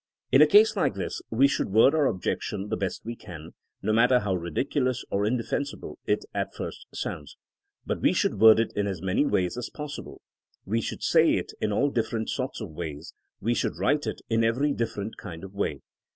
In a case like this we should word our objection the best we can, no matter how ridiculous or indefensible it at first sounds. But we should word it in as many ways as possible; we should say it in all different sorts of ways ; we should write it in every dif ferent kind of way.